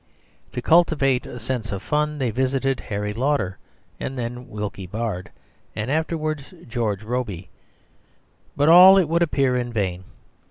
To cultivate a sense of fun, they visited Harry Lauder, and then Wilkie Bard, and afterwards George Robey; but all, it would appear, in vain.